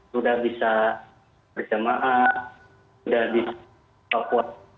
sudah bisa berjemaah sudah bisa berpuas